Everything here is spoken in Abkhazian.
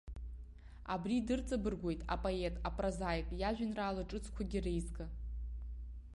Абри дырҵабыргуеит апоет, апрозаик иажәеинраала ҿыцқәагьы реизга.